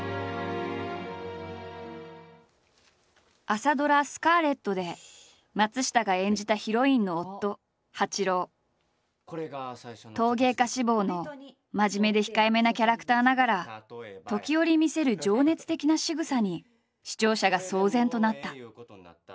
朝ドラ「スカーレット」で松下が演じた陶芸家志望の真面目で控えめなキャラクターながら時折見せる情熱的なしぐさに視聴者が騒然となった。